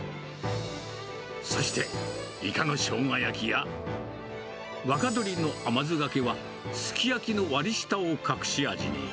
そして、イカのしょうが焼きや、若鶏の甘酢がけは、すき焼きの割り下を隠し味に。